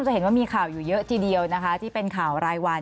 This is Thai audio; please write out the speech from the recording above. จะเห็นว่ามีข่าวอยู่เยอะทีเดียวนะคะที่เป็นข่าวรายวัน